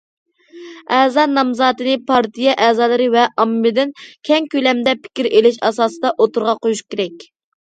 ئەزا نامزاتىنى پارتىيە ئەزالىرى ۋە ئاممىدىن كەڭ كۆلەمدە پىكىر ئېلىش ئاساسىدا ئوتتۇرىغا قويۇش كېرەك.